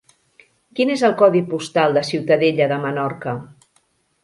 Quin és el codi postal de Ciutadella de Menorca?